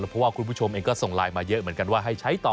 เพราะว่าคุณผู้ชมเองก็ส่งไลน์มาเยอะเหมือนกันว่าให้ใช้ต่อ